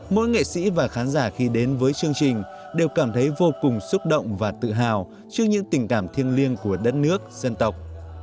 mỗi nghệ sĩ và khán giả khi đến với chương trình đều cảm thấy vô cùng xúc động và tự hào trước những tình cảm thiêng liêng của đất nước dân tộc